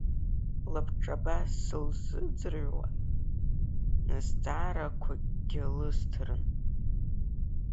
Лабҿаба сылзыӡыруа зҵаарақәакгьы лысҭарын…